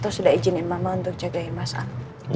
terus udah izinin mama untuk jagain mas al